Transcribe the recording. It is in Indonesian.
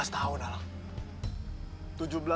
tujuh belas tahun alang